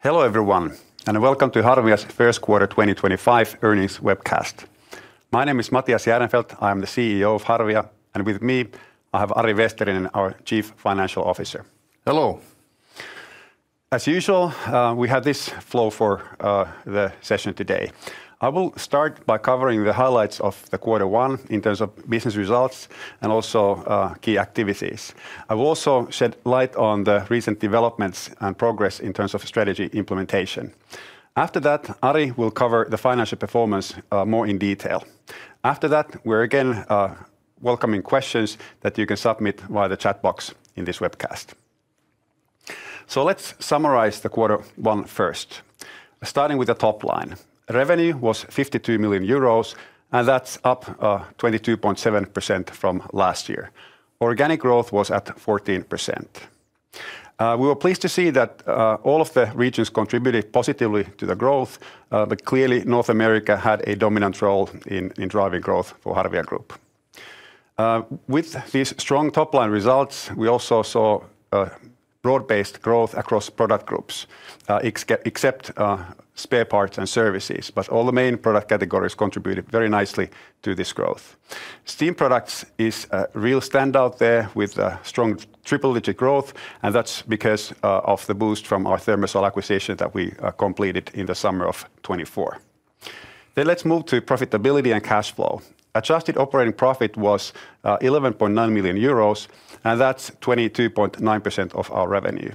Hello everyone, and welcome to Harvia's First Quarter 2025 earnings webcast. My name is Matias Järnefelt. I am the CEO of Harvia, and with me I have Ari Vesterinen, our Chief Financial Officer. Hello. As usual, we have this flow for the session today. I will start by covering the highlights of Q1 in terms of business results and also key activities. I will also shed light on the recent developments and progress in terms of strategy implementation. After that, Ari will cover the financial performance more in detail. After that, we're again welcoming questions that you can submit via the chat box in this webcast. Let's summarize Q1 first, starting with the top line. Revenue was 52 million euros, and that's up 22.7% from last year. Organic growth was at 14%. We were pleased to see that all of the regions contributed positively to the growth, but clearly North America had a dominant role in driving growth for Harvia Group. With these strong top-line results, we also saw broad-based growth across product groups, except spare parts and services, but all the main product categories contributed very nicely to this growth. Steam products is a real standout there with strong triple-digit growth, and that's because of the boost from our ThermaSol acquisition that we completed in the summer of 2024. Let's move to profitability and cash flow. Adjusted operating profit was 11.9 million euros, and that's 22.9% of our revenue.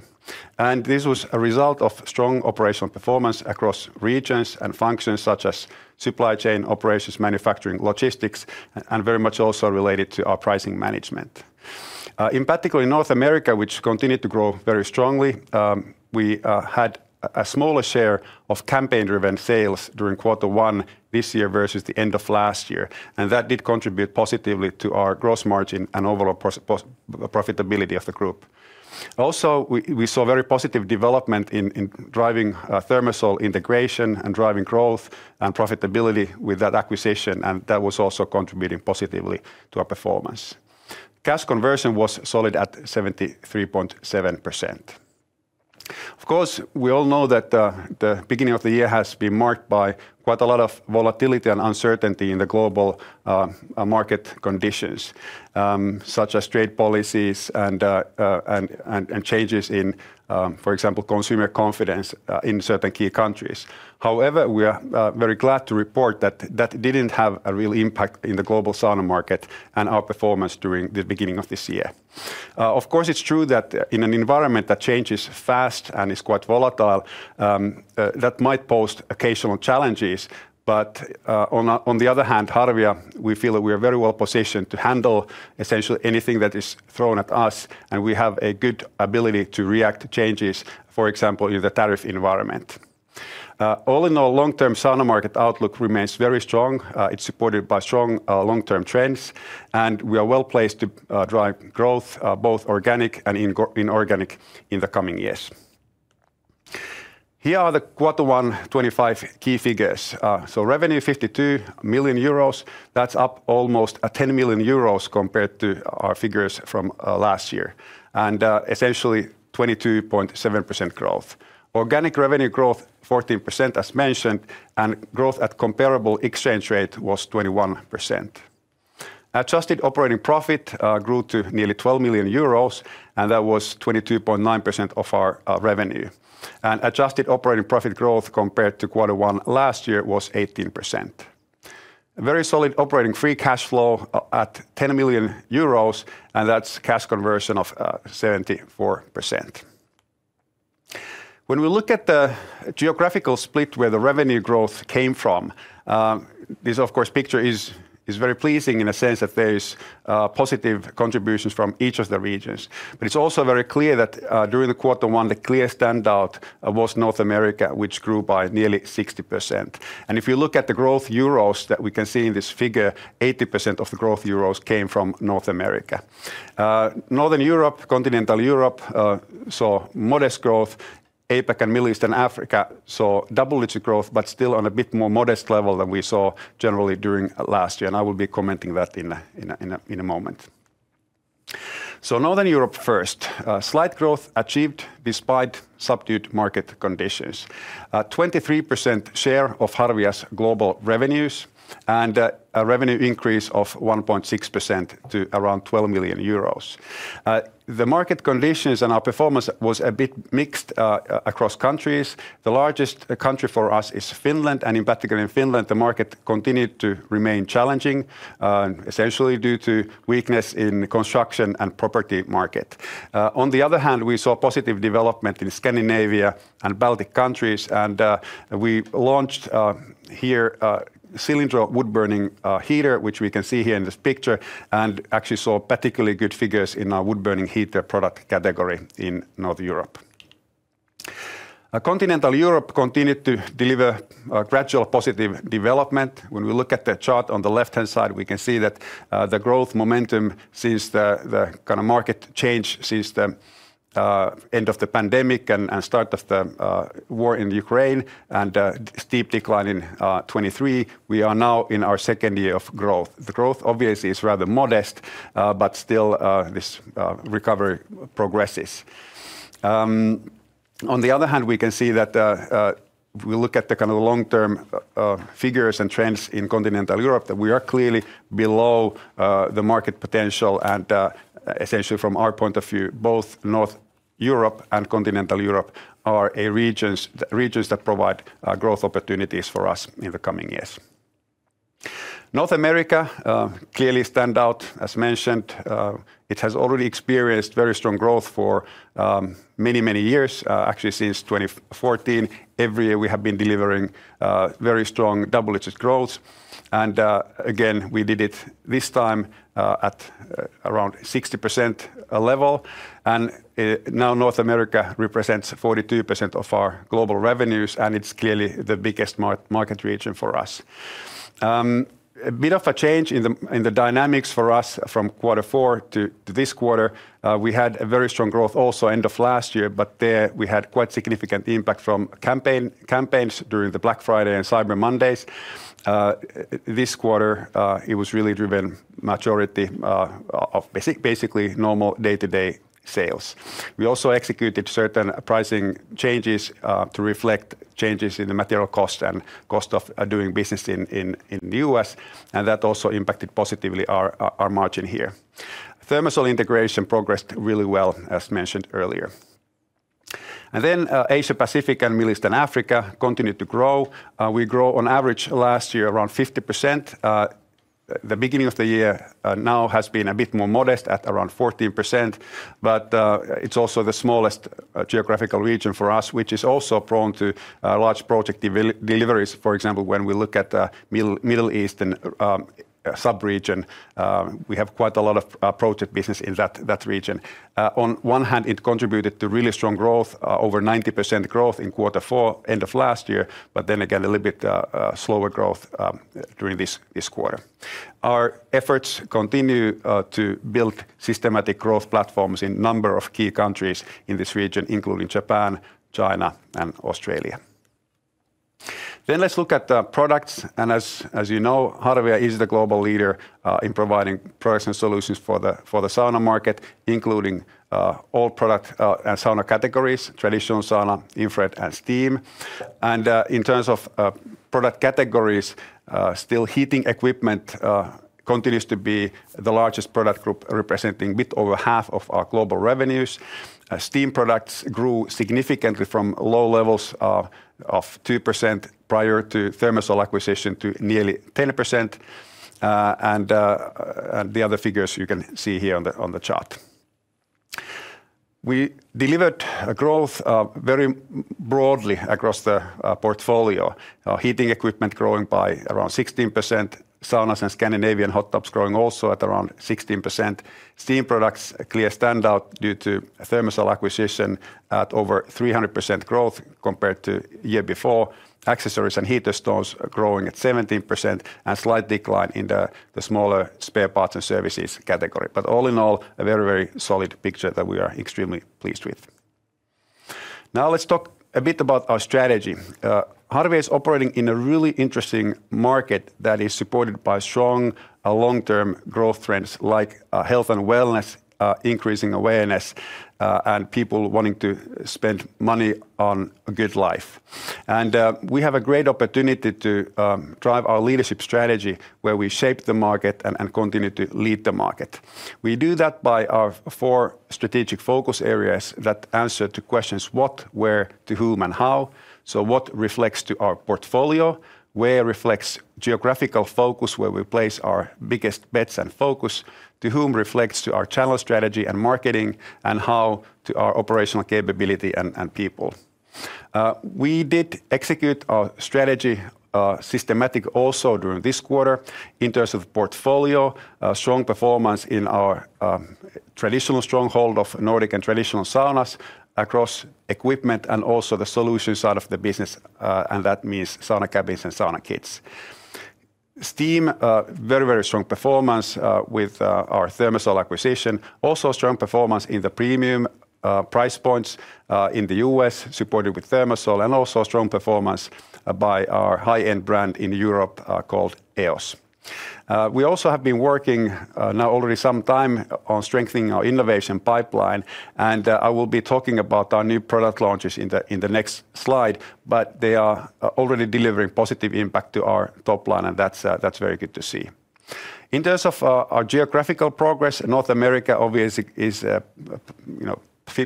This was a result of strong operational performance across regions and functions such as supply chain, operations, manufacturing, logistics, and very much also related to our pricing management. In particular, in North America, which continued to grow very strongly, we had a smaller share of campaign-driven sales during Q1 this year versus the end of last year, and that did contribute positively to our gross margin and overall profitability of the group. Also, we saw very positive development in driving ThermaSol integration and driving growth and profitability with that acquisition, and that was also contributing positively to our performance. Cash conversion was solid at 73.7%. Of course, we all know that the beginning of the year has been marked by quite a lot of volatility and uncertainty in the global market conditions, such as trade policies and changes in, for example, consumer confidence in certain key countries. However, we are very glad to report that that did not have a real impact in the global sauna market and our performance during the beginning of this year. Of course, it's true that in an environment that changes fast and is quite volatile, that might pose occasional challenges, but on the other hand, Harvia, we feel that we are very well positioned to handle essentially anything that is thrown at us, and we have a good ability to react to changes, for example, in the tariff environment. All in all, long-term sauna market outlook remains very strong. It's supported by strong long-term trends, and we are well placed to drive growth, both organic and inorganic, in the coming years. Here are the Q1 2025 key figures. Revenue, 52 million euros, that's up almost 10 million euros compared to our figures from last year, and essentially 22.7% growth. Organic revenue growth, 14% as mentioned, and growth at comparable exchange rate was 21%. Adjusted operating profit grew to nearly 12 million euros, and that was 22.9% of our revenue. Adjusted operating profit growth compared to Q1 last year was 18%. Very solid operating free cash flow at 10 million euros, and that's cash conversion of 74%. When we look at the geographical split where the revenue growth came from, this, of course, picture is very pleasing in the sense that there are positive contributions from each of the regions. It is also very clear that during Q1, the clear standout was North America, which grew by nearly 60%. If you look at the growth euros that we can see in this figure, 80% of the growth euros came from North America. Northern Europe, continental Europe, saw modest growth. APAC and Middle East and Africa saw double-digit growth, but still on a bit more modest level than we saw generally during last year. I will be commenting on that in a moment. Northern Europe first. Slight growth achieved despite subdued market conditions. 23% share of Harvia's global revenues and a revenue increase of 1.6% to around 12 million euros. The market conditions and our performance was a bit mixed across countries. The largest country for us is Finland, and in particular in Finland, the market continued to remain challenging, essentially due to weakness in the construction and property market. On the other hand, we saw positive development in Scandinavia and Baltic countries, and we launched here a cylindrical wood burning heater, which we can see here in this picture, and actually saw particularly good figures in our wood burning heater product category in Northern Europe. Continental Europe continued to deliver gradual positive development. When we look at the chart on the left-hand side, we can see that the growth momentum since the kind of market change since the end of the pandemic and start of the war in Ukraine and the steep decline in 2023, we are now in our second year of growth. The growth obviously is rather modest, but still this recovery progresses. On the other hand, we can see that if we look at the kind of long-term figures and trends in continental Europe, that we are clearly below the market potential, and essentially from our point of view, both North Europe and continental Europe are regions that provide growth opportunities for us in the coming years. North America clearly stands out, as mentioned. It has already experienced very strong growth for many, many years, actually since 2014. Every year we have been delivering very strong double-digit growth. We did it this time at around 60% level. Now North America represents 42% of our global revenues, and it is clearly the biggest market region for us. There was a bit of a change in the dynamics for us from Q4 to this quarter. We had very strong growth also at the end of last year, but there we had quite significant impact from campaigns during the Black Friday and Cyber Mondays. This quarter, it was really driven by the majority of basically normal day-to-day sales. We also executed certain pricing changes to reflect changes in the material cost and cost of doing business in the U.S., and that also impacted positively our margin here. ThermaSol integration progressed really well, as mentioned earlier. Asia-Pacific and Middle East and Africa continued to grow. We grew on average last year around 50%. The beginning of the year now has been a bit more modest at around 14%, but it's also the smallest geographical region for us, which is also prone to large project deliveries. For example, when we look at the Middle East subregion, we have quite a lot of project business in that region. On one hand, it contributed to really strong growth, over 90% growth in Q4 end of last year, but then again a little bit slower growth during this quarter. Our efforts continue to build systematic growth platforms in a number of key countries in this region, including Japan, China, and Australia. Let's look at the products. As you know, Harvia is the global leader in providing products and solutions for the sauna market, including all product and sauna categories: traditional sauna, infrared, and steam. In terms of product categories, still heating equipment continues to be the largest product group representing a bit over half of our global revenues. Steam products grew significantly from low levels of 2% prior to the ThermaSol acquisition to nearly 10%. The other figures you can see here on the chart. We delivered growth very broadly across the portfolio. Heating equipment growing by around 16%. Saunas and Scandinavian hot tubs growing also at around 16%. Steam products clear standout due to the ThermaSol acquisition at over 300% growth compared to the year before. Accessories and heater stones growing at 17% and slight decline in the smaller spare parts and services category. All in all, a very, very solid picture that we are extremely pleased with. Now let's talk a bit about our strategy. Harvia is operating in a really interesting market that is supported by strong long-term growth trends like health and wellness, increasing awareness, and people wanting to spend money on a good life. We have a great opportunity to drive our leadership strategy where we shape the market and continue to lead the market. We do that by our four strategic focus areas that answer to questions: what, where, to whom, and how. What reflects to our portfolio. Where reflects geographical focus where we place our biggest bets and focus. To whom reflects to our channel strategy and marketing. How to our operational capability and people. We did execute our strategy systematically also during this quarter in terms of portfolio. Strong performance in our traditional stronghold of Nordic and traditional saunas across equipment and also the solution side of the business, and that means sauna cabins and sauna kits. Steam, very, very strong performance with our ThermaSol acquisition. Also strong performance in the premium price points in the U.S. supported with ThermaSol, and also strong performance by our high-end brand in Europe called EOS. We also have been working now already some time on strengthening our innovation pipeline, and I will be talking about our new product launches in the next slide, but they are already delivering positive impact to our top line, and that's very good to see. In terms of our geographical progress, North America obviously is a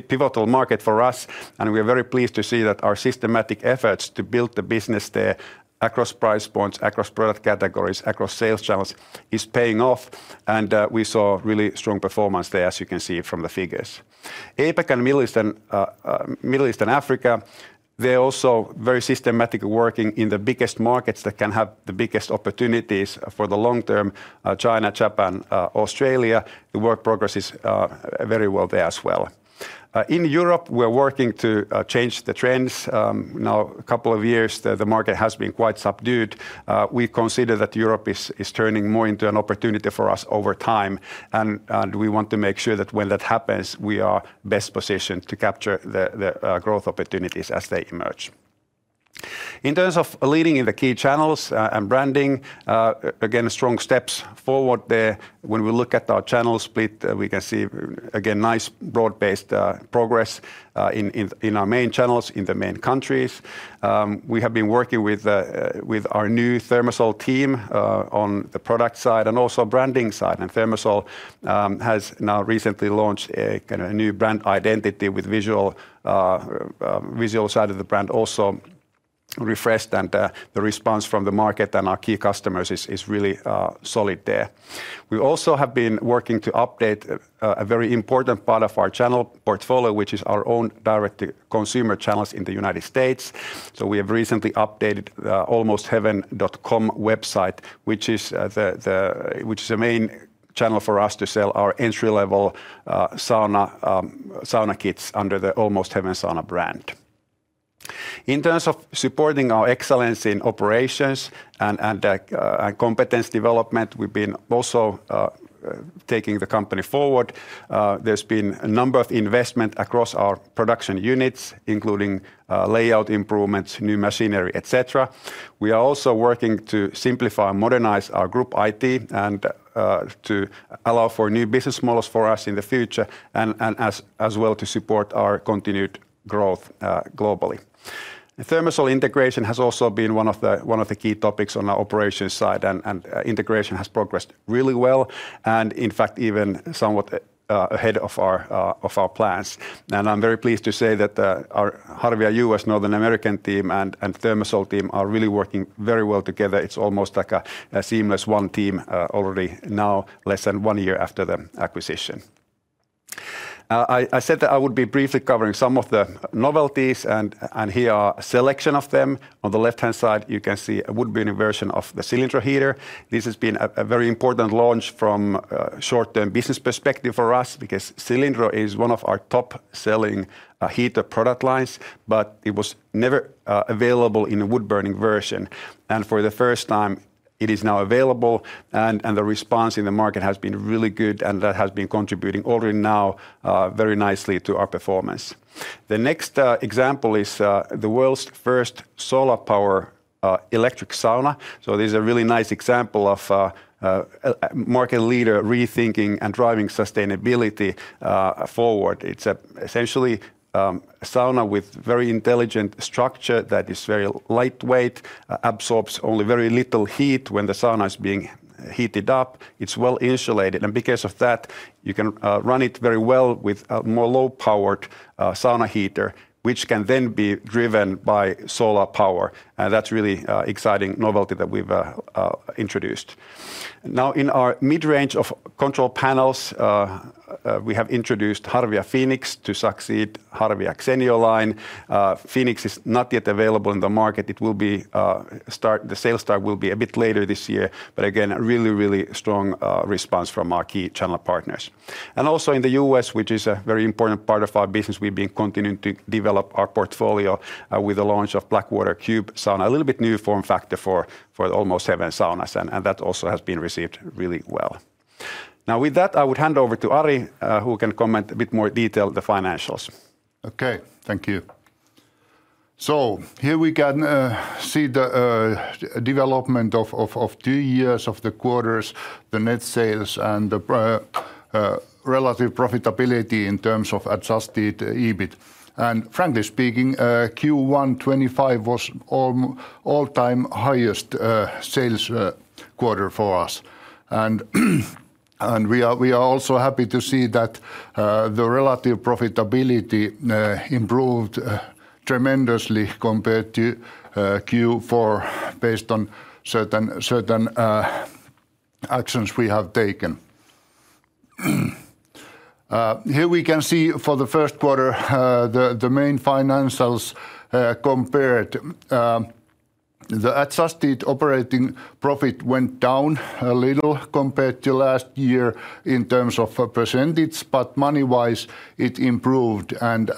pivotal market for us, and we are very pleased to see that our systematic efforts to build the business there across price points, across product categories, across sales channels is paying off, and we saw really strong performance there, as you can see from the figures. APAC and Middle East and Africa, they're also very systematically working in the biggest markets that can have the biggest opportunities for the long term: China, Japan, Australia. The work progress is very well there as well. In Europe, we're working to change the trends. Now, a couple of years, the market has been quite subdued. We consider that Europe is turning more into an opportunity for us over time, and we want to make sure that when that happens, we are best positioned to capture the growth opportunities as they emerge. In terms of leading in the key channels and branding, again, strong steps forward there. When we look at our channel split, we can see again nice broad-based progress in our main channels in the main countries. We have been working with our new ThermaSol team on the product side and also branding side, and ThermaSol has now recently launched a kind of new brand identity with visual side of the brand also refreshed, and the response from the market and our key customers is really solid there. We also have been working to update a very important part of our channel portfolio, which is our own direct-to-consumer channels in the U.S. We have recently updated the almostheaven.com website, which is the main channel for us to sell our entry-level sauna kits under the Almost Heaven brand. In terms of supporting our excellence in operations and competence development, we've been also taking the company forward. There's been a number of investments across our production units, including layout improvements, new machinery, etc. We are also working to simplify and modernize our group IT and to allow for new business models for us in the future, as well to support our continued growth globally. ThermaSol integration has also been one of the key topics on our operations side, and integration has progressed really well, in fact, even somewhat ahead of our plans. I'm very pleased to say that our Harvia US North American team and ThermaSol team are really working very well together. It's almost like a seamless one team already now, less than one year after the acquisition. I said that I would be briefly covering some of the novelties, and here are a selection of them. On the left-hand side, you can see a wood burning version of the cylindrical heater. This has been a very important launch from a short-term business perspective for us because cylindrical is one of our top-selling heater product lines, but it was never available in a wood burning version. For the first time, it is now available, and the response in the market has been really good, and that has been contributing already now very nicely to our performance. The next example is the world's first solar-powered electric sauna. This is a really nice example of a market leader rethinking and driving sustainability forward. It's essentially a sauna with a very intelligent structure that is very lightweight, absorbs only very little heat when the sauna is being heated up. It's well insulated, and because of that, you can run it very well with a more low-powered sauna heater, which can then be driven by solar power. That is really an exciting novelty that we've introduced. Now, in our mid-range of control panels, we have introduced Harvia Fenix to succeed the Harvia Xenio line. Fenix is not yet available in the market. The sales start will be a bit later this year, but again, a really, really strong response from our key channel partners. Also, in the U.S., which is a very important part of our business, we've been continuing to develop our portfolio with the launch of Blackwater Cube Sauna, a little bit new form factor for Almost Heaven saunas, and that also has been received really well. Now, with that, I would hand over to Ari, who can comment a bit more detail on the financials. Okay, thank you. Here we can see the development of two years of the quarters, the net sales, and the relative profitability in terms of adjusted EBIT. Frankly speaking, Q1 2025 was all-time highest sales quarter for us. We are also happy to see that the relative profitability improved tremendously compared to Q4 based on certain actions we have taken. Here we can see for the first quarter, the main financials compared. The adjusted operating profit went down a little compared to last year in terms of percentage, but money-wise, it improved. The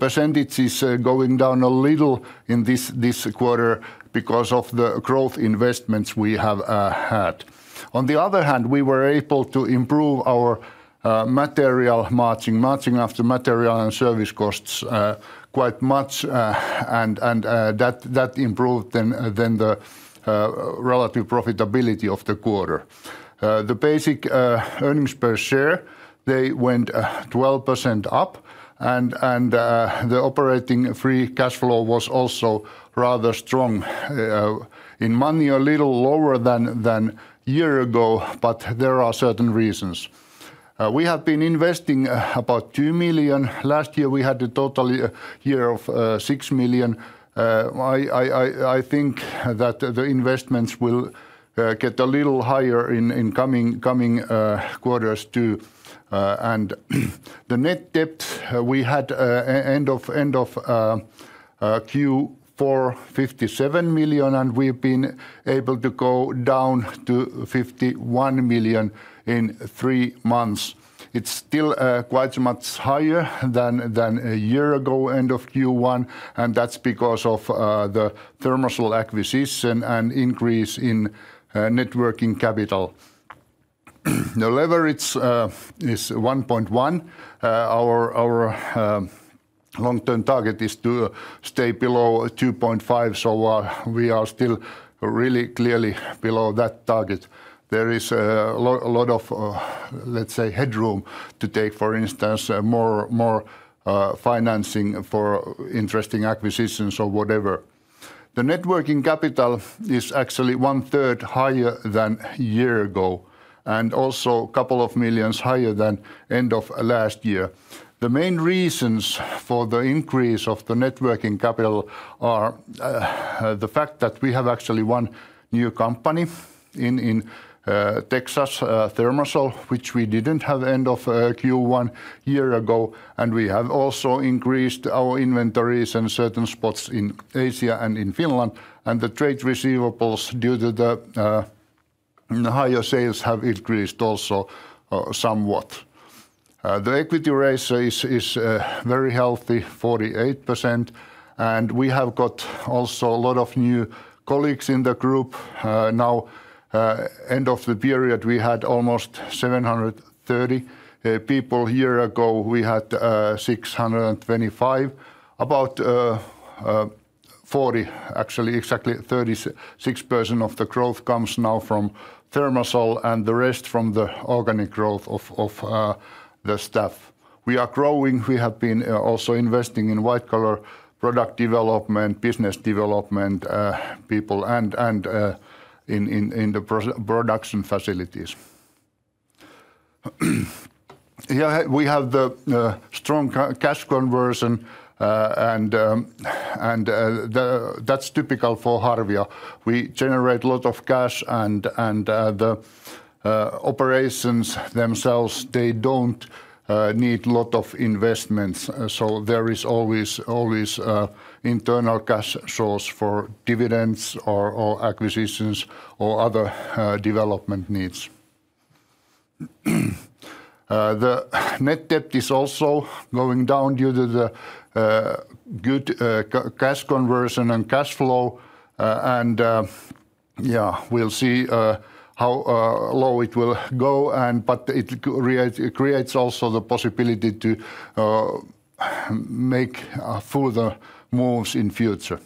percentage is going down a little in this quarter because of the growth investments we have had. On the other hand, we were able to improve our material margin, margin after material and service costs quite much, and that improved then the relative profitability of the quarter. The basic earnings per share, they went 12% up, and the operating free cash flow was also rather strong. In money, a little lower than a year ago, but there are certain reasons. We have been investing about 2 million. Last year, we had a total year of 6 million. I think that the investments will get a little higher in coming quarters too. The net debt we had end of Q4 was 57 million, and we've been able to go down to 51 million in three months. It's still quite much higher than a year ago end of Q1, and that's because of the ThermaSol acquisition and increase in networking capital. The leverage is 1.1. Our long-term target is to stay below 2.5, so we are still really clearly below that target. There is a lot of, let's say, headroom to take, for instance, more financing for interesting acquisitions or whatever. The networking capital is actually one third higher than a year ago, and also a couple of million higher than end of last year. The main reasons for the increase of the networking capital are the fact that we have actually one new company in Texas, ThermaSol, which we did not have end of Q1 a year ago, and we have also increased our inventories in certain spots in Asia and in Finland. The trade receivables due to the higher sales have increased also somewhat. The equity ratio is very healthy, 48%, and we have got also a lot of new colleagues in the group. Now, end of the period, we had almost 730 people. A year ago, we had 625, about 40, actually exactly 36% of the growth comes now from ThermaSol and the rest from the organic growth of the staff. We are growing. We have been also investing in white-collar product development, business development people, and in the production facilities. We have the strong cash conversion, and that's typical for Harvia. We generate a lot of cash, and the operations themselves, they don't need a lot of investments. There is always internal cash source for dividends or acquisitions or other development needs. The net debt is also going down due to the good cash conversion and cash flow, and yeah, we'll see how low it will go, but it creates also the possibility to make further moves in future.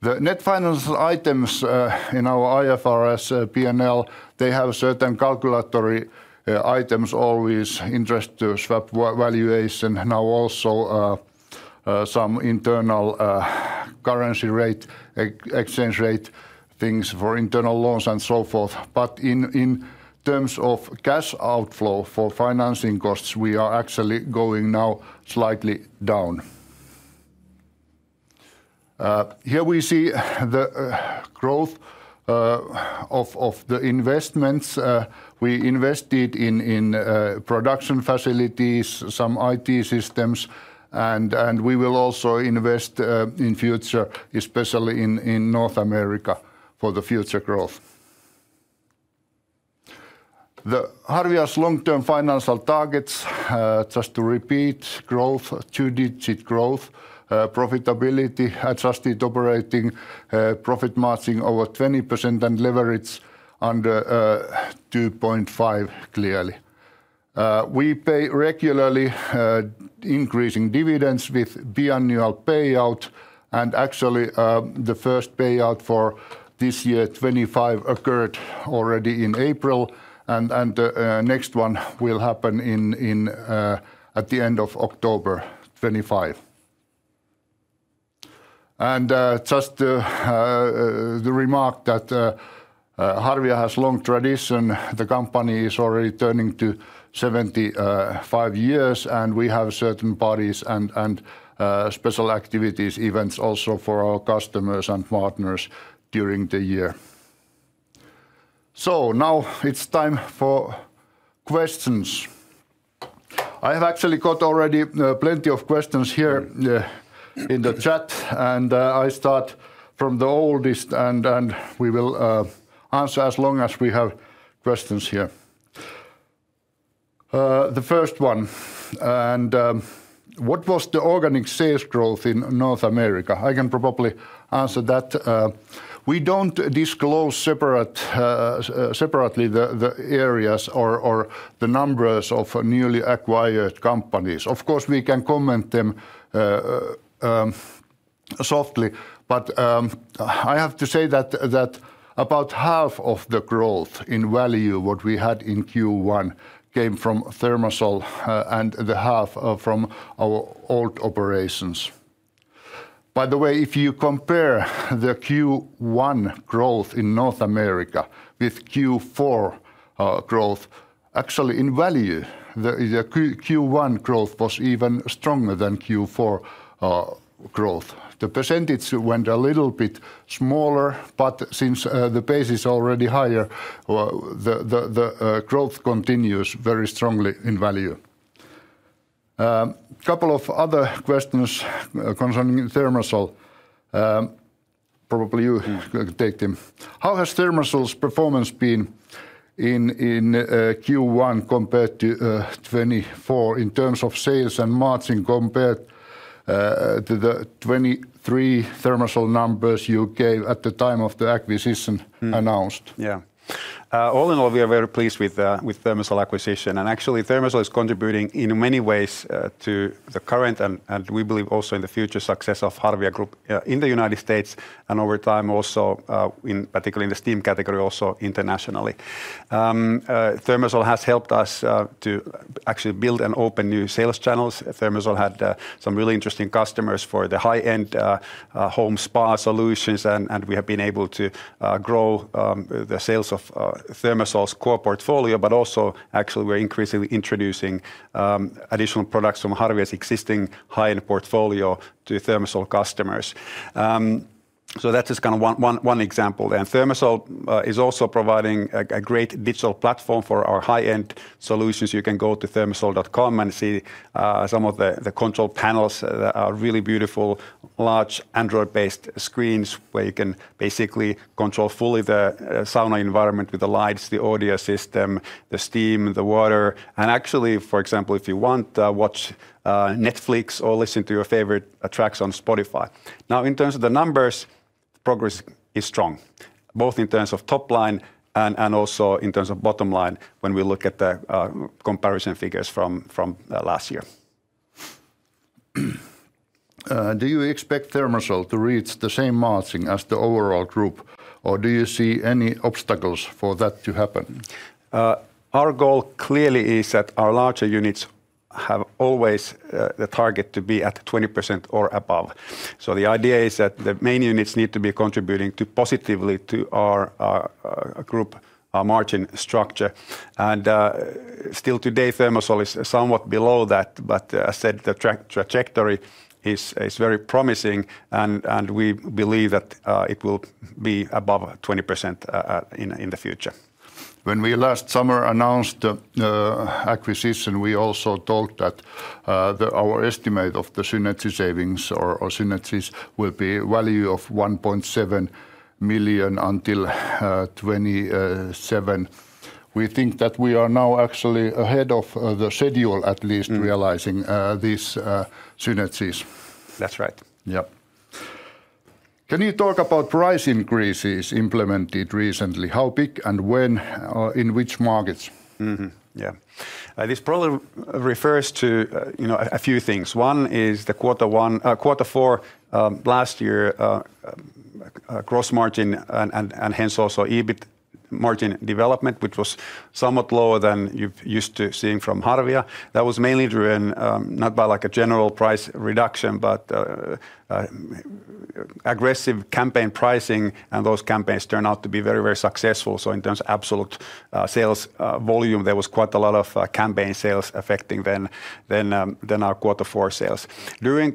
The net financial items in our IFRS P&L, they have certain calculatory items, always interest to swap valuation, now also some internal currency rate, exchange rate things for internal loans and so forth. In terms of cash outflow for financing costs, we are actually going now slightly down. Here we see the growth of the investments. We invested in production facilities, some IT systems, and we will also invest in future, especially in North America for the future growth. Harvia's long-term financial targets, just to repeat, growth, two-digit growth, profitability, adjusted operating profit margin over 20%, and leverage under 2.5 clearly. We pay regularly increasing dividends with biannual payout, and actually the first payout for this year, 2025, occurred already in April, and the next one will happen at the end of October 2025. Just the remark that Harvia has a long tradition, the company is already turning 75 years, and we have certain parties and special activities events also for our customers and partners during the year. Now it is time for questions. I have actually got already plenty of questions here in the chat, and I start from the oldest, and we will answer as long as we have questions here. The first one, what was the organic sales growth in North America? I can probably answer that. We do not disclose separately the areas or the numbers of newly acquired companies. Of course, we can comment them softly, but I have to say that about half of the growth in value that we had in Q1 came from ThermaSol and half from our old operations. By the way, if you compare the Q1 growth in North America with Q4 growth, actually in value, the Q1 growth was even stronger than Q4 growth. The percentage went a little bit smaller, but since the base is already higher, the growth continues very strongly in value. A couple of other questions concerning ThermaSol. Probably you can take them. How has ThermaSol's performance been in Q1 compared to 2024 in terms of sales and margin compared to the 2023 ThermaSol numbers you gave at the time of the acquisition announced? Yeah. All in all, we are very pleased with the ThermaSol acquisition, and actually ThermaSol is contributing in many ways to the current and we believe also in the future success of Harvia Group in the United States and over time also in particular in the steam category also internationally. ThermaSol has helped us to actually build and open new sales channels. ThermaSol had some really interesting customers for the high-end home spa solutions, and we have been able to grow the sales of ThermaSol's core portfolio, but also actually we're increasingly introducing additional products from Harvia's existing high-end portfolio to ThermaSol customers. That's just kind of one example. ThermaSol is also providing a great digital platform for our high-end solutions. You can go to thermasol.com and see some of the control panels that are really beautiful, large Android-based screens where you can basically control fully the sauna environment with the lights, the audio system, the steam, the water, and actually, for example, if you want to watch Netflix or listen to your favorite tracks on Spotify. Now, in terms of the numbers, progress is strong, both in terms of top line and also in terms of bottom line when we look at the comparison figures from last year. Do you expect ThermaSol to reach the same margin as the overall group, or do you see any obstacles for that to happen? Our goal clearly is that our larger units have always the target to be at 20% or above. The idea is that the main units need to be contributing positively to our group margin structure. Still today, ThermaSol is somewhat below that, but as I said, the trajectory is very promising, and we believe that it will be above 20% in the future. When we last summer announced the acquisition, we also talked that our estimate of the synergy savings or synergies will be a value of 1.7 million until 2027. We think that we are now actually ahead of the schedule at least realizing these synergies. That's right. Yeah. Can you talk about price increases implemented recently? How big and when in which markets? Yeah. This probably refers to a few things. One is the quarter four last year gross margin and hence also EBIT margin development, which was somewhat lower than you're used to seeing from Harvia. That was mainly driven not by a general price reduction, but aggressive campaign pricing, and those campaigns turned out to be very, very successful. In terms of absolute sales volume, there was quite a lot of campaign sales affecting then our quarter four sales. During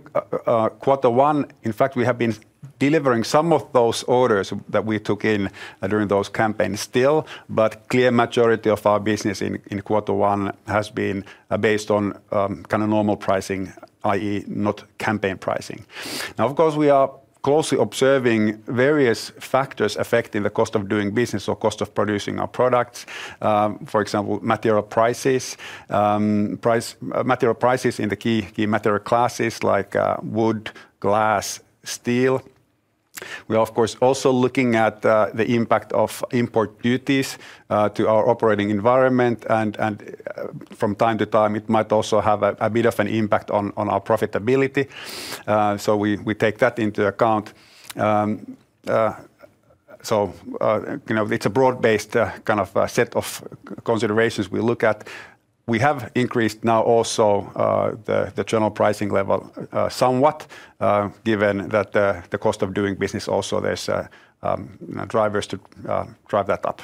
quarter one, in fact, we have been delivering some of those orders that we took in during those campaigns still, but a clear majority of our business in quarter one has been based on kind of normal pricing, i.e., not campaign pricing. Now, of course, we are closely observing various factors affecting the cost of doing business or cost of producing our products. For example, material prices, material prices in the key material classes like wood, glass, steel. We are, of course, also looking at the impact of import duties to our operating environment, and from time to time, it might also have a bit of an impact on our profitability. We take that into account. It is a broad-based kind of set of considerations we look at. We have increased now also the general pricing level somewhat, given that the cost of doing business also there's drivers to drive that up.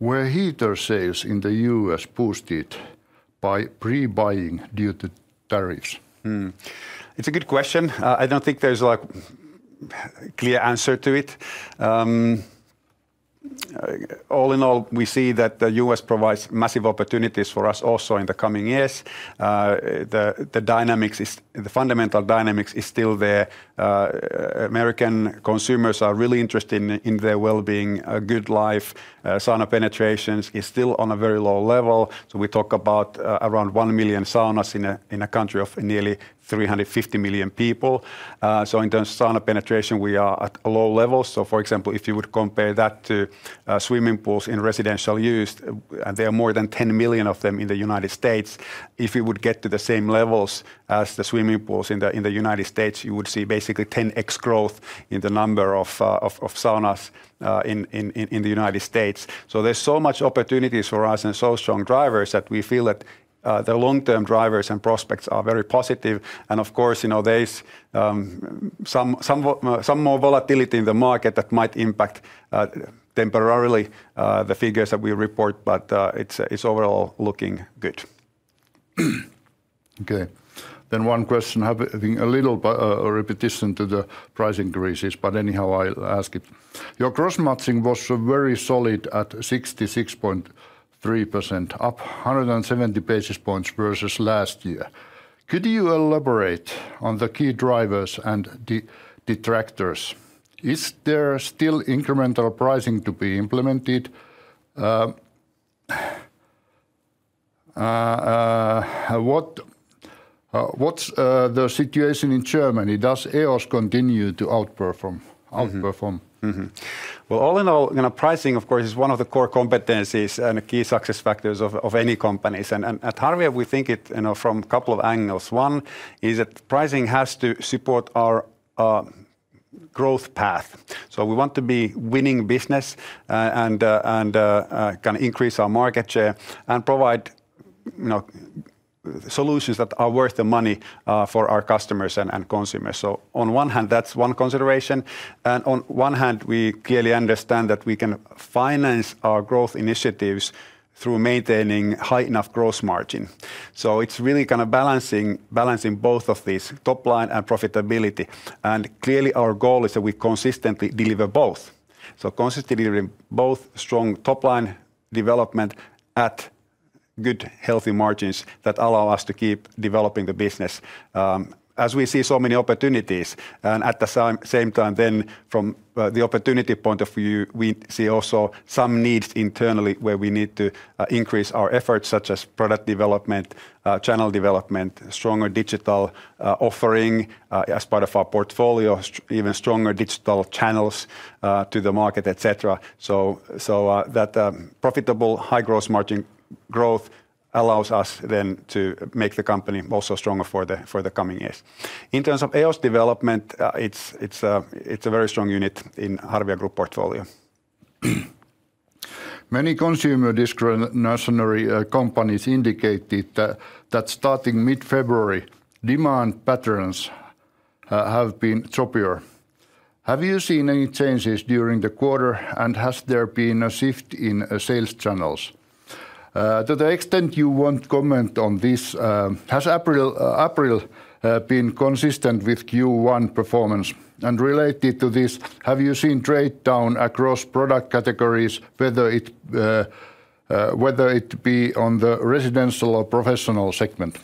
Were heater sales in the U.S. boosted by pre-buying due to tariffs? It's a good question. I don't think there's a clear answer to it. All in all, we see that the U.S. provides massive opportunities for us also in the coming years. The dynamics is the fundamental dynamics is still there. American consumers are really interested in their well-being, good life. Sauna penetration is still on a very low level. We talk about around one million saunas in a country of nearly 350 million people. In terms of sauna penetration, we are at a low level. For example, if you would compare that to swimming pools in residential use, and there are more than 10 million of them in the United States, if you would get to the same levels as the swimming pools in the United States, you would see basically 10x growth in the number of saunas in the United States. There is so much opportunity for us and so strong drivers that we feel that the long-term drivers and prospects are very positive. Of course, there is some more volatility in the market that might impact temporarily the figures that we report, but it is overall looking good. Okay. One question, having a little repetition to the price increases, but anyhow, I will ask it. Your gross margin was very solid at 66.3%, up 170 basis points versus last year. Could you elaborate on the key drivers and detractors? Is there still incremental pricing to be implemented? What's the situation in Germany? Does EOS continue to outperform? All in all, pricing, of course, is one of the core competencies and key success factors of any companies. At Harvia, we think it from a couple of angles. One is that pricing has to support our growth path. We want to be winning business and kind of increase our market share and provide solutions that are worth the money for our customers and consumers. On one hand, that's one consideration. On one hand, we clearly understand that we can finance our growth initiatives through maintaining high enough gross margin. It's really kind of balancing both of these, top line and profitability. Clearly, our goal is that we consistently deliver both. Consistently delivering both strong top line development at good, healthy margins that allow us to keep developing the business. As we see so many opportunities, and at the same time then, from the opportunity point of view, we see also some needs internally where we need to increase our efforts, such as product development, channel development, stronger digital offering as part of our portfolio, even stronger digital channels to the market, etc. That profitable high gross margin growth allows us then to make the company also stronger for the coming years. In terms of EOS development, it is a very strong unit in the Harvia Group portfolio. Many consumer discretionary companies indicated that starting mid-February, demand patterns have been choppier. Have you seen any changes during the quarter, and has there been a shift in sales channels? To the extent you want to comment on this, has April been consistent with Q1 performance? And related to this, have you seen trade down across product categories, whether it be on the residential or professional segment?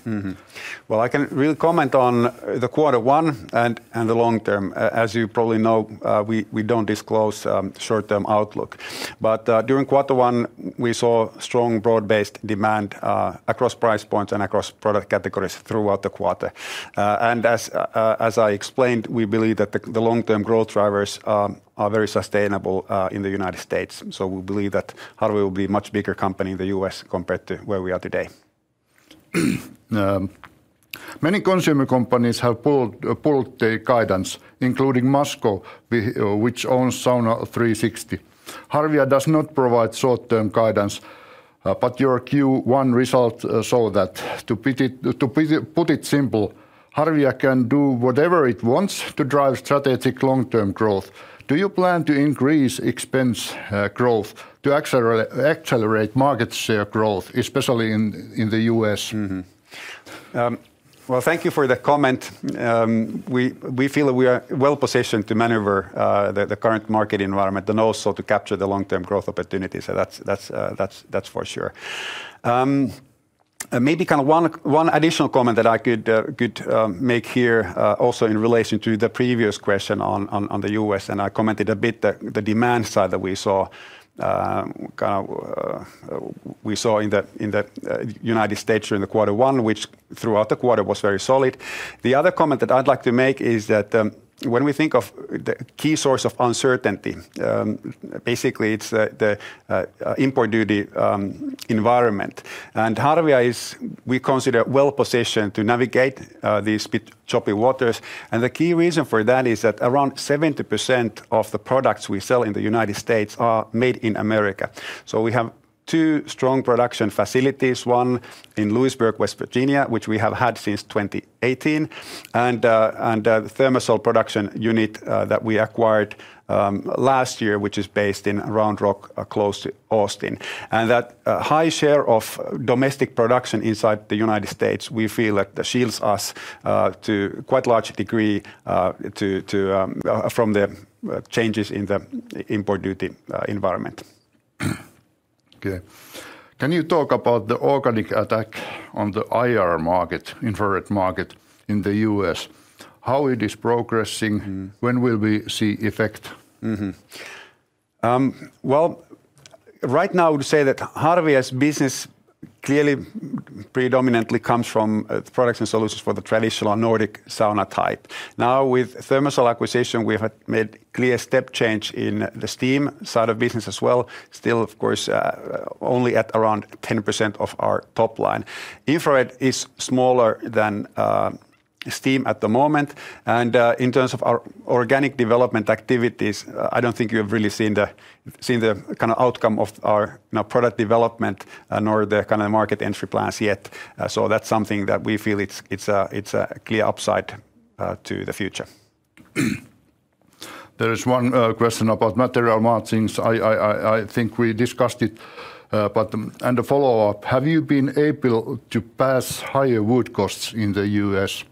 I can really comment on the quarter one and the long term. As you probably know, we do not disclose short-term outlook. During quarter one, we saw strong broad-based demand across price points and across product categories throughout the quarter. As I explained, we believe that the long-term growth drivers are very sustainable in the United States. We believe that Harvia will be a much bigger company in the U.S. compared to where we are today. Many consumer companies have pulled their guidance, including Masco, which owns Sauna 360. Harvia does not provide short-term guidance, but your Q1 result saw that. To put it simple, Harvia can do whatever it wants to drive strategic long-term growth. Do you plan to increase expense growth to accelerate market share growth, especially in the U.S.? Thank you for the comment. We feel that we are well positioned to maneuver the current market environment and also to capture the long-term growth opportunities. That's for sure. Maybe kind of one additional comment that I could make here also in relation to the previous question on the U.S., and I commented a bit the demand side that we saw in the United States during quarter one, which throughout the quarter was very solid. The other comment that I'd like to make is that when we think of the key source of uncertainty, basically it's the import duty environment. Harvia is, we consider, well positioned to navigate these choppy waters. The key reason for that is that around 70% of the products we sell in the United States are made in America. We have two strong production facilities, one in Louisburg, West Virginia, which we have had since 2018, and the ThermaSol production unit that we acquired last year, which is based in Round Rock close to Austin. That high share of domestic production inside the United States, we feel that shields us to quite a large degree from the changes in the import duty environment. Okay. Can you talk about the organic attack on the IR market, infrared market in the U.S.? How is it progressing? When will we see effect? Right now I would say that Harvia's business clearly predominantly comes from products and solutions for the traditional Nordic sauna type. Now, with the ThermaSol acquisition, we have made a clear step change in the steam side of business as well. Still, of course, only at around 10% of our top line. Infrared is smaller than steam at the moment. In terms of our organic development activities, I do not think you have really seen the kind of outcome of our product development nor the kind of market entry plans yet. That is something that we feel is a clear upside to the future. There is one question about material margins. I think we discussed it, but the follow-up, have you been able to pass higher wood costs in the U.S.?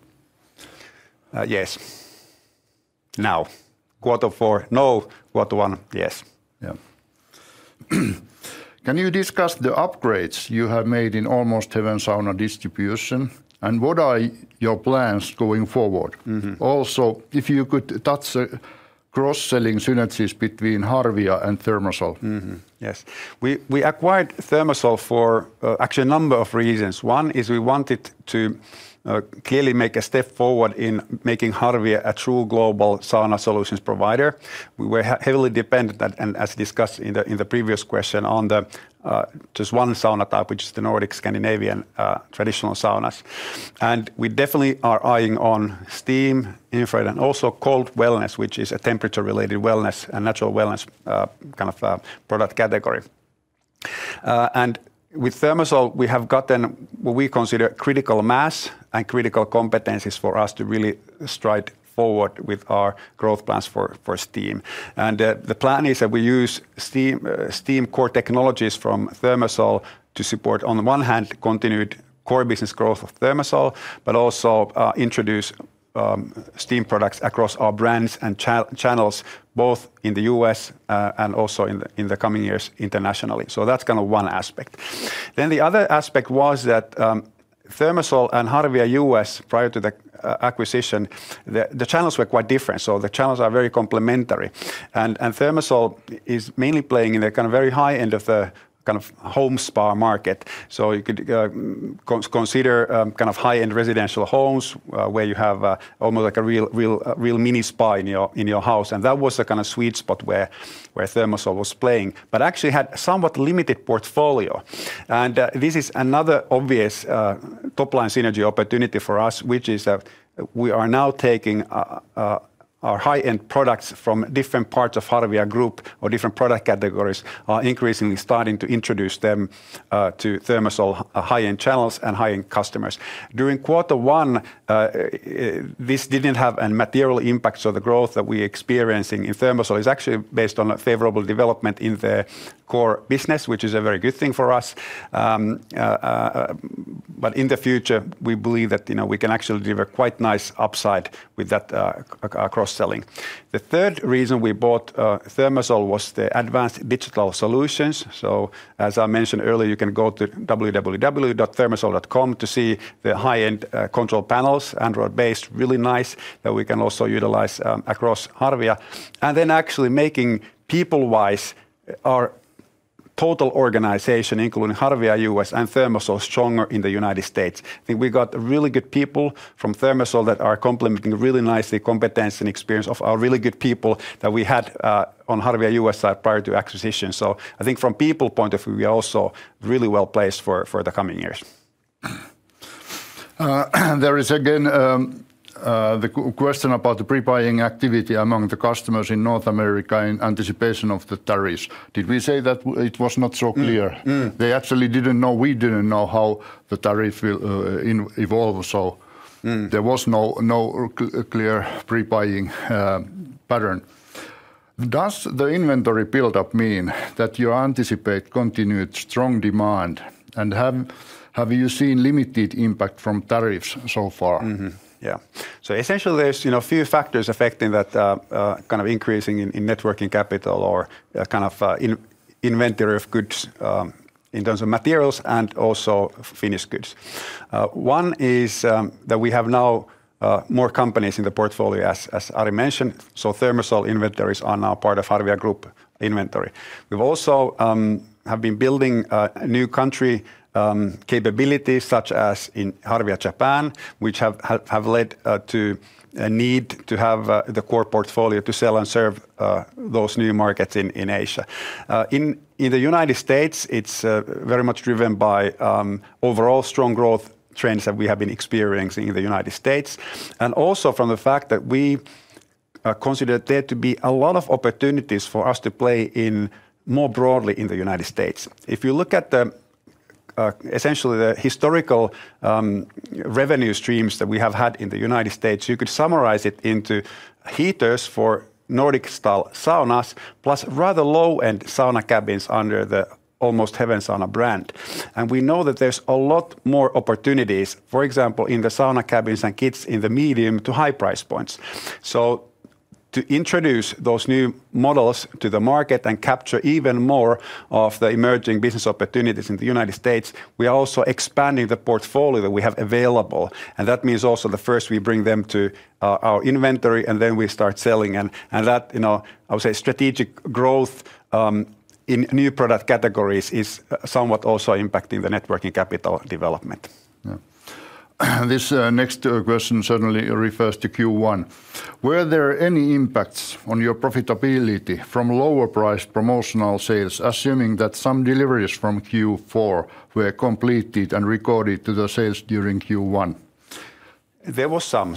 Yes. Quarter four, no, quarter one, yes. Yeah. Can you discuss the upgrades you have made in Almost Heaven Sauna distribution and what are your plans going forward? Also, if you could touch the cross-selling synergies between Harvia and ThermaSol. Yes. We acquired ThermaSol for actually a number of reasons. One is we wanted to clearly make a step forward in making Harvia a true global sauna solutions provider. We were heavily dependent, and as discussed in the previous question, on just one sauna type, which is the Nordic Scandinavian traditional saunas. We definitely are eyeing on Steam, infrared, and also cold wellness, which is a temperature-related wellness and natural wellness kind of product category. With ThermaSol, we have gotten what we consider critical mass and critical competencies for us to really stride forward with our growth plans for Steam. The plan is that we use steam core technologies from ThermaSol to support, on the one hand, continued core business growth of ThermaSol, but also introduce steam products across our brands and channels, both in the U.S. and also in the coming years internationally. That is kind of one aspect. The other aspect was that ThermaSol and Harvia US, prior to the acquisition, the channels were quite different. The channels are very complementary. ThermaSol is mainly playing in the kind of very high end of the kind of home spa market. You could consider kind of high-end residential homes where you have almost like a real mini spa in your house. That was the kind of sweet spot where ThermaSol was playing, but actually had a somewhat limited portfolio. This is another obvious top-line synergy opportunity for us, which is that we are now taking our high-end products from different parts of Harvia Group or different product categories, increasingly starting to introduce them to ThermaSol high-end channels and high-end customers. During quarter one, this did not have a material impact. The growth that we are experiencing in ThermaSol is actually based on a favorable development in the core business, which is a very good thing for us. In the future, we believe that we can actually deliver quite nice upside with that cross-selling. The third reason we bought ThermaSol was the advanced digital solutions. As I mentioned earlier, you can go to www.thermasol.com to see the high-end control panels, Android-based, really nice that we can also utilize across Harvia. Actually making people-wise our total organization, including Harvia US and ThermaSol, stronger in the United States. I think we got really good people from ThermaSol that are complementing really nicely the competence and experience of our really good people that we had on the Harvia US side prior to acquisition. I think from a people point of view, we are also really well placed for the coming years. There is again the question about the pre-buying activity among the customers in North America in anticipation of the tariffs. Did we say that it was not so clear? They actually did not know. We did not know how the tariff will evolve. There was no clear pre-buying pattern. Does the inventory buildup mean that you anticipate continued strong demand? And have you seen limited impact from tariffs so far? Yeah. Essentially, there's a few factors affecting that kind of increase in networking capital or kind of inventory of goods in terms of materials and also finished goods. One is that we have now more companies in the portfolio, as Ari mentioned. ThermaSol inventories are now part of Harvia Group inventory. We've also been building new country capabilities, such as in Harvia Japan, which have led to a need to have the core portfolio to sell and serve those new markets in Asia. In the United States, it's very much driven by overall strong growth trends that we have been experiencing in the United States. Also from the fact that we consider there to be a lot of opportunities for us to play more broadly in the United States. If you look at essentially the historical revenue streams that we have had in the United States, you could summarize it into heaters for Nordic-style saunas, plus rather low-end sauna cabins under the Almost Heaven Sauna brand. We know that there's a lot more opportunities, for example, in the sauna cabins and kits in the medium to high price points. To introduce those new models to the market and capture even more of the emerging business opportunities in the United States, we are also expanding the portfolio that we have available. That means also first we bring them to our inventory and then we start selling. That, I would say, strategic growth in new product categories is somewhat also impacting the networking capital development. This next question certainly refers to Q1. Were there any impacts on your profitability from lower-priced promotional sales, assuming that some deliveries from Q4 were completed and recorded to the sales during Q1? There were some.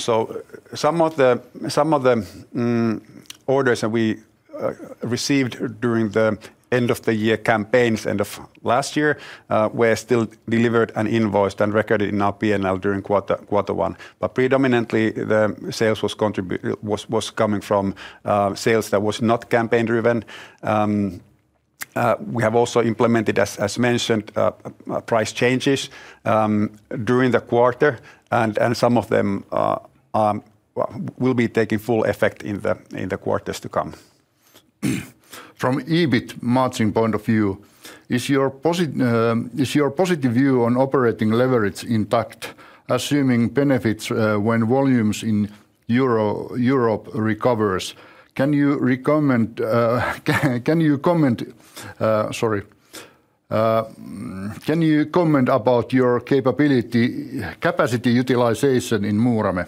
Some of the orders that we received during the end-of-the-year campaigns end of last year were still delivered and invoiced and recorded in our P&L during quarter one. Predominantly, the sales was coming from sales that were not campaign-driven. We have also implemented, as mentioned, price changes during the quarter, and some of them will be taking full effect in the quarters to come. From EBIT margin point of view, is your positive view on operating leverage intact, assuming benefits when volumes in Europe recovers? Can you comment about your capability utilization in Muurame?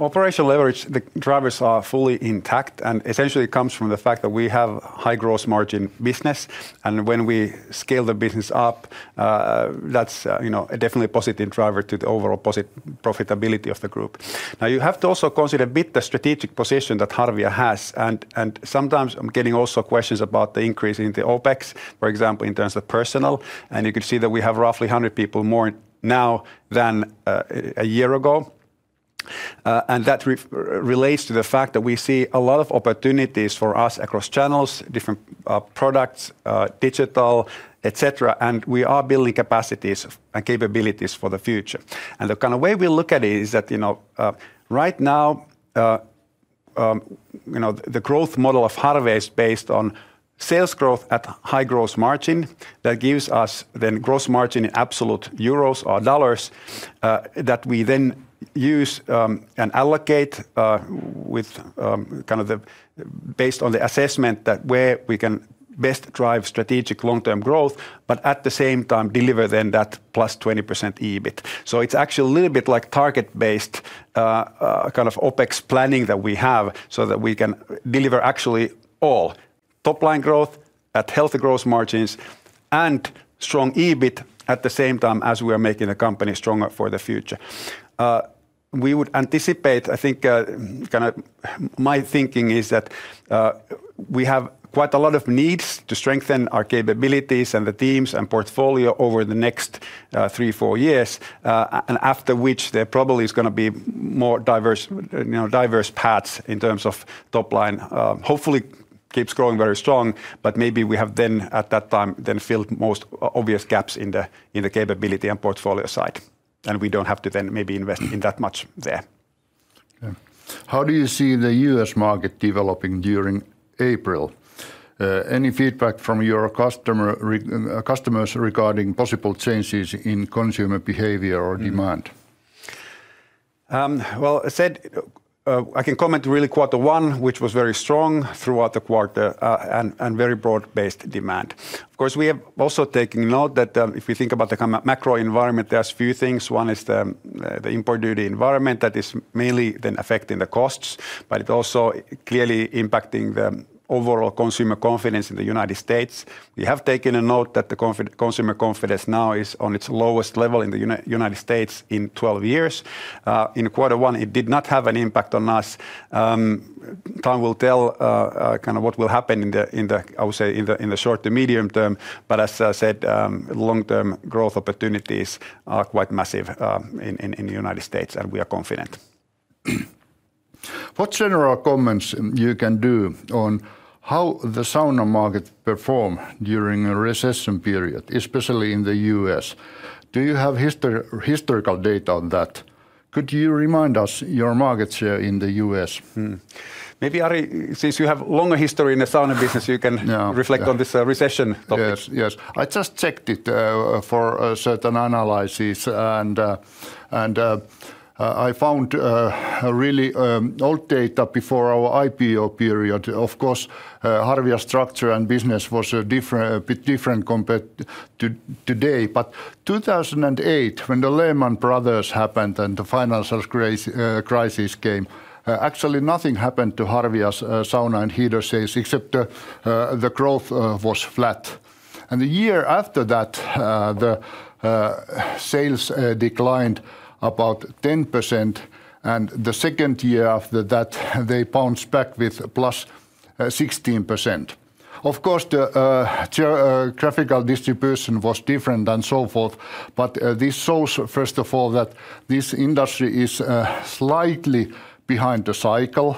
Operational leverage drivers are fully intact and essentially come from the fact that we have high gross margin business. When we scale the business up, that's definitely a positive driver to the overall profitability of the group. You have to also consider a bit the strategic position that Harvia has. Sometimes I'm getting also questions about the increase in the OpEx, for example, in terms of personnel. You can see that we have roughly 100 people more now than a year ago. That relates to the fact that we see a lot of opportunities for us across channels, different products, digital, etc. We are building capacities and capabilities for the future. The kind of way we look at it is that right now, the growth model of Harvia is based on sales growth at high gross margin that gives us then gross margin in absolute euros or dollars that we then use and allocate based on the assessment that where we can best drive strategic long-term growth, but at the same time deliver then that plus 20% EBIT. It is actually a little bit like target-based kind of OpEx planning that we have so that we can deliver actually all top-line growth at healthy gross margins and strong EBIT at the same time as we are making the company stronger for the future. We would anticipate, I think kind of my thinking is that we have quite a lot of needs to strengthen our capabilities and the teams and portfolio over the next three to four years, and after which there probably is going to be more diverse paths in terms of top line. Hopefully, it keeps growing very strong, but maybe we have then at that time then filled most obvious gaps in the capability and portfolio side. We do not have to then maybe invest in that much there. How do you see the U.S. market developing during April? Any feedback from your customers regarding possible changes in consumer behavior or demand? I can comment really quarter one, which was very strong throughout the quarter and very broad-based demand. Of course, we have also taken note that if we think about the macro environment, there are a few things. One is the import duty environment that is mainly then affecting the costs, but it also clearly impacting the overall consumer confidence in the United States. We have taken a note that the consumer confidence now is on its lowest level in the United States in 12 years. In quarter one, it did not have an impact on us. Time will tell kind of what will happen in the, I would say, in the short to medium term. As I said, long-term growth opportunities are quite massive in the United States, and we are confident. What general comments you can do on how the sauna market performed during a recession period, especially in the U.S.? Do you have historical data on that? Could you remind us your market share in the U.S.? Maybe Ari, since you have a longer history in the sauna business, you can reflect on this recession topic. Yes, yes. I just checked it for certain analyses, and I found really old data before our IPO period. Of course, Harvia's structure and business was a bit different compared to today. In 2008, when the Lehman Brothers happened and the financial crisis came, actually nothing happened to Harvia's sauna and heater sales, except the growth was flat. The year after that, the sales declined about 10%, and the second year after that, they bounced back with +16%. Of course, the graphical distribution was different and so forth, but this shows, first of all, that this industry is slightly behind the cycle,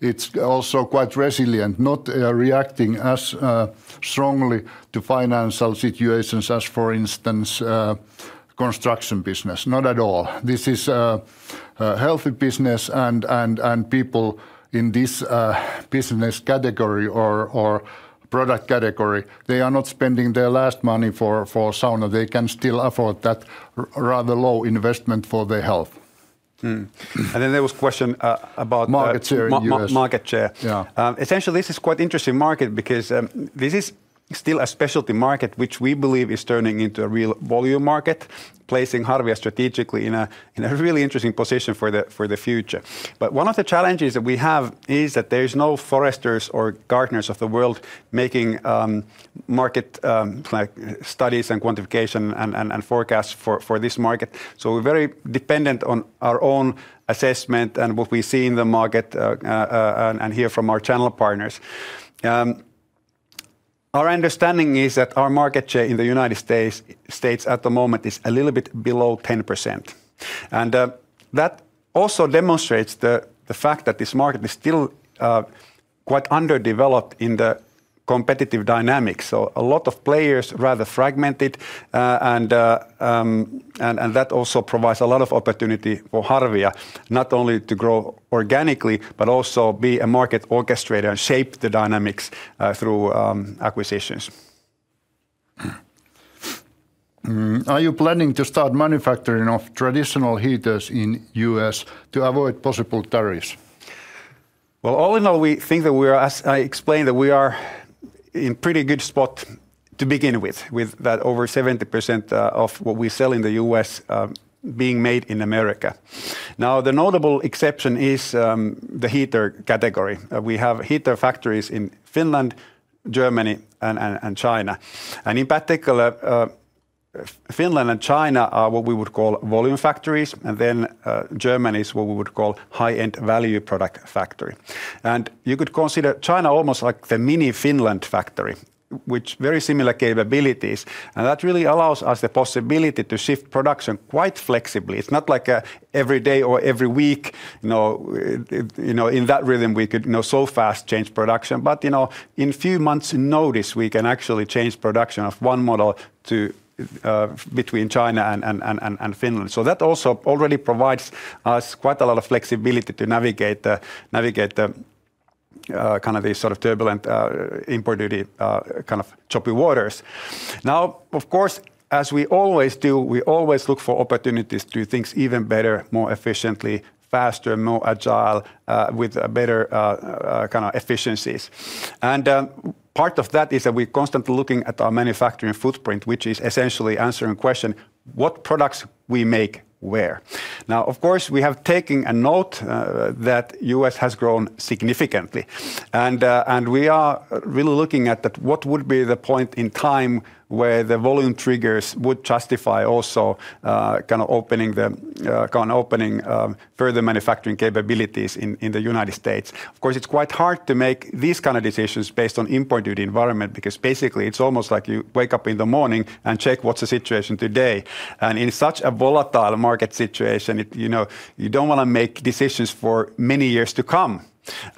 and it is also quite resilient, not reacting as strongly to financial situations as, for instance, the construction business. Not at all. This is a healthy business, and people in this business category or product category, they are not spending their last money for sauna. They can still afford that rather low investment for their health. There was a question about market share. Essentially, this is quite an interesting market because this is still a specialty market, which we believe is turning into a real volume market, placing Harvia strategically in a really interesting position for the future. One of the challenges that we have is that there are no foresters or gardeners of the world making market studies and quantification and forecasts for this market. We are very dependent on our own assessment and what we see in the market and hear from our channel partners. Our understanding is that our market share in the United States at the moment is a little bit below 10%. That also demonstrates the fact that this market is still quite underdeveloped in the competitive dynamics. A lot of players are rather fragmented, and that also provides a lot of opportunity for Harvia, not only to grow organically, but also be a market orchestrator and shape the dynamics through acquisitions. Are you planning to start manufacturing of traditional heaters in the U.S. to avoid possible tariffs? All in all, we think that we are, as I explained, in a pretty good spot to begin with, with over 70% of what we sell in the U.S. being made in America. The notable exception is the heater category. We have heater factories in Finland, Germany, and China. In particular, Finland and China are what we would call volume factories, and then Germany is what we would call a high-end value product factory. You could consider China almost like the mini Finland factory, which has very similar capabilities. That really allows us the possibility to shift production quite flexibly. It's not like every day or every week. In that rhythm, we could so fast change production. In a few months' notice, we can actually change production of one model between China and Finland. That also already provides us quite a lot of flexibility to navigate kind of these sort of turbulent import duty kind of choppy waters. Of course, as we always do, we always look for opportunities to do things even better, more efficiently, faster, more agile, with better kind of efficiencies. Part of that is that we're constantly looking at our manufacturing footprint, which is essentially answering the question, what products we make where? Now, of course, we have taken a note that the U.S. has grown significantly. We are really looking at what would be the point in time where the volume triggers would justify also kind of opening further manufacturing capabilities in the United States. Of course, it's quite hard to make these kinds of decisions based on import duty environment because basically it's almost like you wake up in the morning and check what's the situation today. In such a volatile market situation, you don't want to make decisions for many years to come.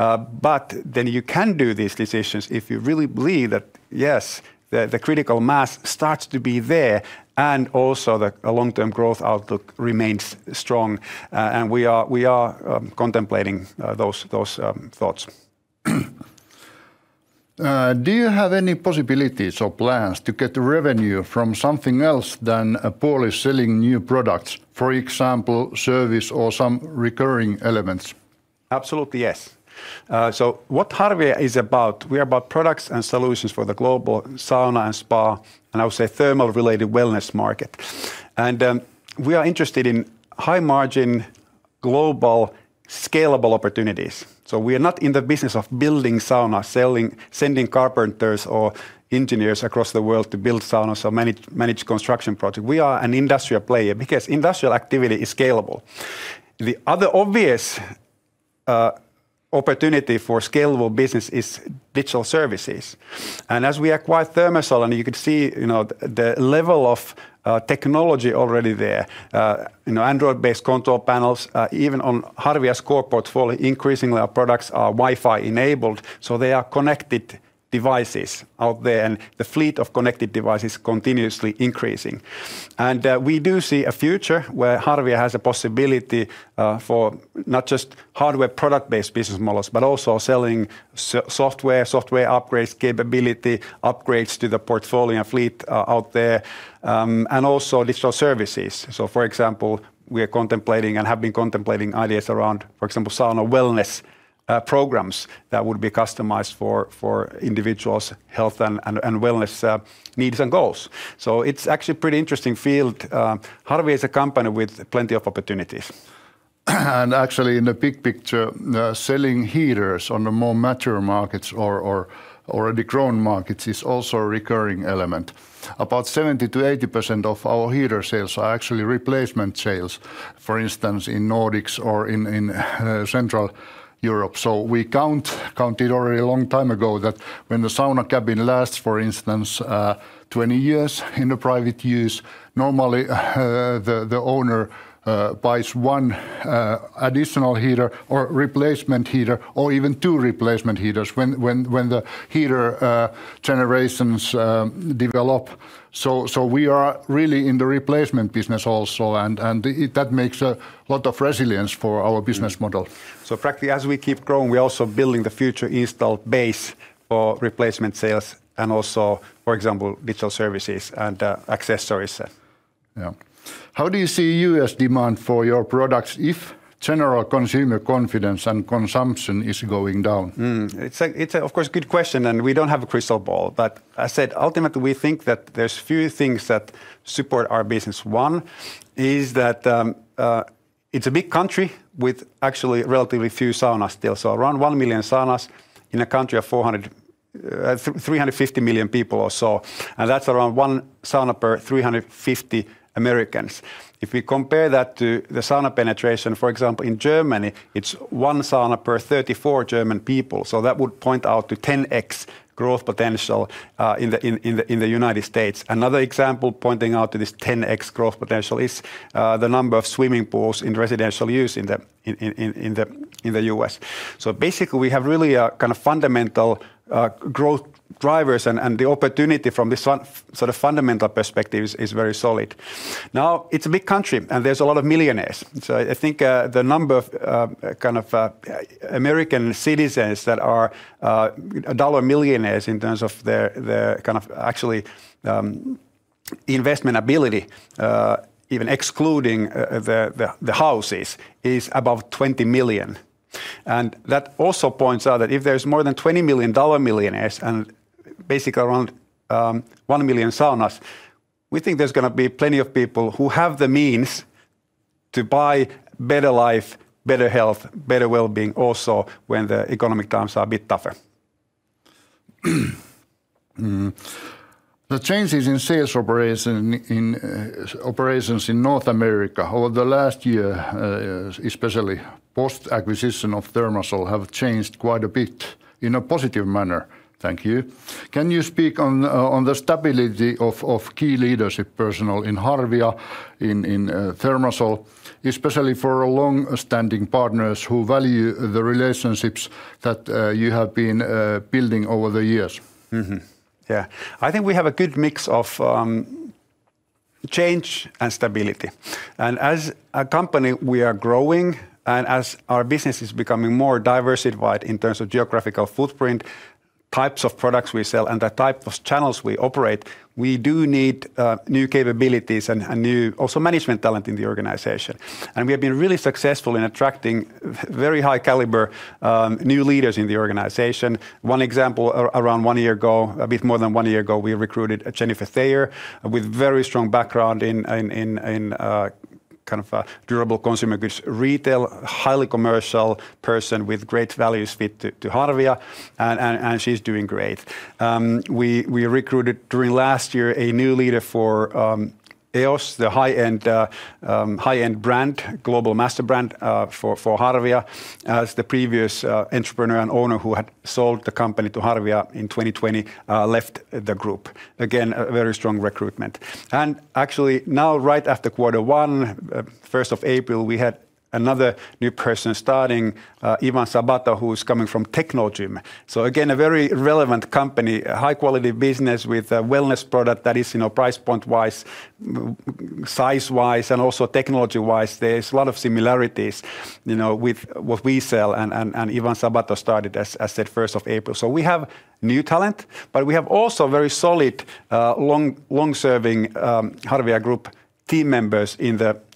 You can do these decisions if you really believe that, yes, the critical mass starts to be there and also the long-term growth outlook remains strong. We are contemplating those thoughts. Do you have any possibilities or plans to get revenue from something else than purely selling new products, for example, service or some recurring elements? Absolutely, yes. What Harvia is about, we are about products and solutions for the global sauna and spa, and I would say thermal-related wellness market. We are interested in high-margin, global, scalable opportunities. We are not in the business of building saunas, sending carpenters or engineers across the world to build saunas or manage construction projects. We are an industrial player because industrial activity is scalable. The other obvious opportunity for scalable business is digital services. As we acquire ThermaSol, you can see the level of technology already there. Android-based control panels, even on Harvia's core portfolio, increasingly our products are Wi-Fi-enabled. They are connected devices out there, and the fleet of connected devices is continuously increasing. We do see a future where Harvia has a possibility for not just hardware product-based business models, but also selling software, software upgrades, capability upgrades to the portfolio and fleet out there, and also digital services. For example, we are contemplating and have been contemplating ideas around, for example, sauna wellness programs that would be customized for individuals' health and wellness needs and goals. It is actually a pretty interesting field. Harvia is a company with plenty of opportunities. In the big picture, selling heaters on the more mature markets or already grown markets is also a recurring element. About 70%-80% of our heater sales are actually replacement sales, for instance, in Nordics or in Central Europe. We counted already a long time ago that when the sauna cabin lasts, for instance, 20 years in private use, normally the owner buys one additional heater or replacement heater or even two replacement heaters when the heater generations develop. We are really in the replacement business also, and that makes a lot of resilience for our business model. Practically, as we keep growing, we are also building the future install base for replacement sales and also, for example, digital services and accessories. Yeah. How do you see U.S. demand for your products if general consumer confidence and consumption is going down? It's a, of course, good question, and we do not have a crystal ball. I said, ultimately, we think that there are a few things that support our business. One is that it's a big country with actually relatively few saunas still. So around 1 million saunas in a country of 350 million people or so. That is around one sauna per 350 Americans. If we compare that to the sauna penetration, for example, in Germany, it is one sauna per 34 German people. That would point out to 10x growth potential in the United States. Another example pointing out to this 10x growth potential is the number of swimming pools in residential use in the U.S. Basically, we have really kind of fundamental growth drivers, and the opportunity from this sort of fundamental perspective is very solid. Now, it is a big country, and there are a lot of millionaires. I think the number of American citizens that are dollar millionaires in terms of their kind of actually investment ability, even excluding the houses, is about 20 million. That also points out that if there's more than 20 million dollar millionaires and basically around 1 million saunas, we think there's going to be plenty of people who have the means to buy better life, better health, better well-being also when the economic times are a bit tougher. The changes in sales operations in North America over the last year, especially post-acquisition of ThermaSol, have changed quite a bit in a positive manner. Thank you. Can you speak on the stability of key leadership personnel in Harvia, in ThermaSol, especially for longstanding partners who value the relationships that you have been building over the years? Yeah. I think we have a good mix of change and stability. As a company, we are growing, and as our business is becoming more diversified in terms of geographical footprint, types of products we sell, and the type of channels we operate, we do need new capabilities and also management talent in the organization. We have been really successful in attracting very high-caliber new leaders in the organization. One example, around one year ago, a bit more than one year ago, we recruited Jennifer Thayer, with a very strong background in kind of durable consumer goods retail, a highly commercial person with great values fit to Harvia. She is doing great. We recruited during last year a new leader for EOS, the high-end brand, global master brand for Harvia, as the previous entrepreneur and owner who had sold the company to Harvia in 2020 left the group. Again, a very strong recruitment. Actually, now right after quarter one, first of April, we had another new person starting, Ivan Sabato, who is coming from Technogym. Again, a very relevant company, high-quality business with a wellness product that is price point-wise, size-wise, and also technology-wise. There is a lot of similarities with what we sell, and Ivan Sabata started, as I said, first of April. We have new talent, but we have also very solid, long-serving Harvia group team members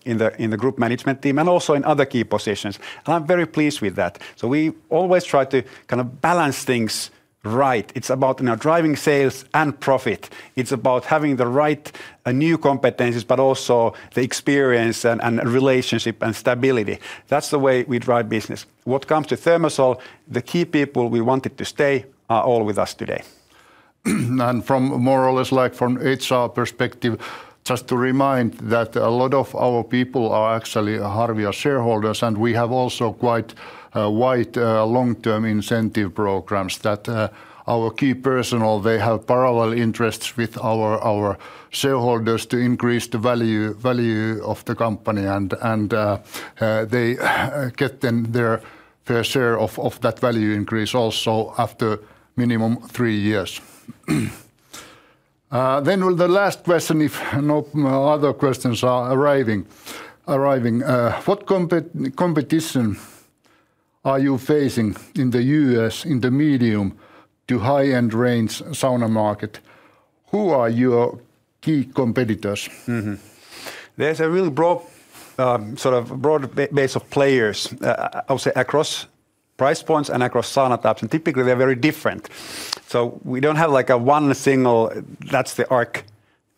in the group management team and also in other key positions. I am very pleased with that. We always try to kind of balance things right. It is about driving sales and profit. It is about having the right new competencies, but also the experience and relationship and stability. That is the way we drive business. What comes to ThermaSol, the key people we wanted to stay are all with us today. From more or less like from HR perspective, just to remind that a lot of our people are actually Harvia shareholders, and we have also quite wide long-term incentive programs that our key personnel, they have parallel interests with our shareholders to increase the value of the company. They get their fair share of that value increase also after minimum three years. The last question, if no other questions are arriving. What competition are you facing in the U.S. in the medium to high-end range sauna market? Who are your key competitors? There is a really broad sort of broad base of players across price points and across sauna types. Typically, they are very different. We do not have like a one single that's the arc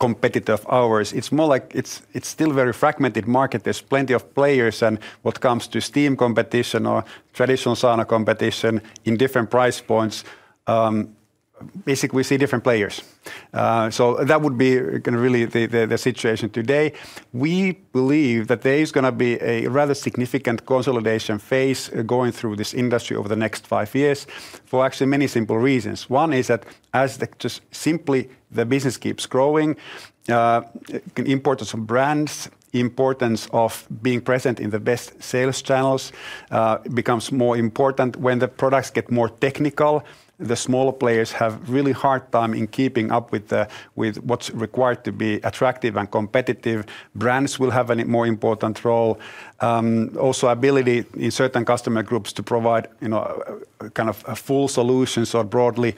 competitor of ours. It is more like it is still very fragmented market. There are plenty of players. What comes to steam competition or traditional sauna competition in different price points, basically we see different players. That would be really the situation today. We believe that there is going to be a rather significant consolidation phase going through this industry over the next five years for actually many simple reasons. One is that as just simply the business keeps growing, importance of brands, importance of being present in the best sales channels becomes more important. When the products get more technical, the smaller players have a really hard time in keeping up with what's required to be attractive and competitive. Brands will have a more important role. Also, ability in certain customer groups to provide kind of full solutions or broadly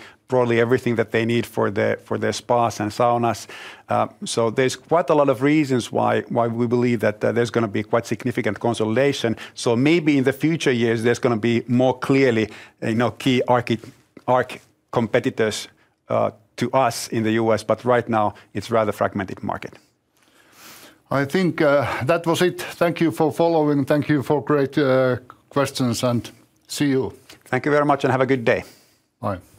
everything that they need for their spas and saunas. There is quite a lot of reasons why we believe that there is going to be quite significant consolidation. Maybe in the future years, there is going to be more clearly key arc competitors to us in the U.S. Right now, it is a rather fragmented market. I think that was it. Thank you for following. Thank you for great questions. See you. Thank you very much and have a good day. Bye.